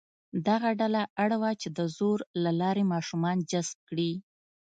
دغه ډله اړ وه چې د زور له لارې ماشومان جذب کړي.